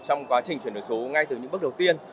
trong quá trình chuyển đổi số ngay từ những bước đầu tiên